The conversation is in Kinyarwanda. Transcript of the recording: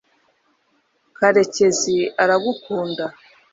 karekezi aragukunda